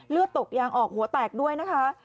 เลือดตกยางออกหัวแตกด้วยนะคะ